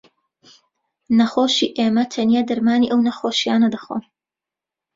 نەخۆشی ئێمە تەنیا دەرمانی ئەو نەخۆشییانە دەخۆن